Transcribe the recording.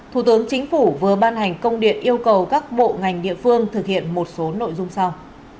thủ tướng chính phủ vừa ban hành công điện yêu cầu các bộ ngành địa phương thực hiện một số nội dung sau